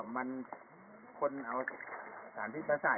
มันคนเอาสารพิษประสาท